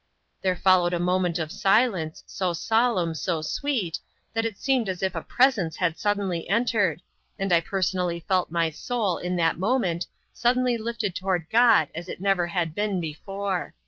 There followed a moment of silence, so solemn, so sweet, that it seemed as if a Presence had suddenly entered, and I personally felt my soul in that moment suddenly lifted toward God as it had never been before.